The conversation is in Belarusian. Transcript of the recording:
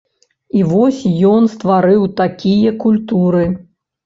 І вось ён стварыў такія культуры.